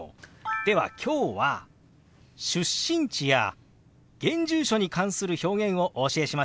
では今日は出身地や現住所に関する表現をお教えしましょう！